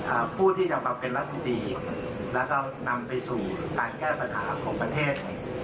ผู้ที่จะมาเป็นรัฐมนตรีแล้วก็นำไปสู่การแก้ปัญหาของประเทศ